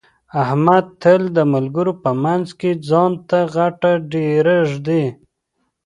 احمد تل د ملګرو په منځ کې ځان ته غټه ډېره ږدي.